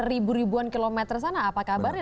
ribu ribuan kilometer sana apa kabarnya